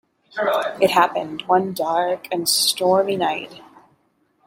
It happened one dark and stormy night.